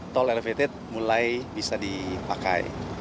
tol elevated mulai bisa dipakai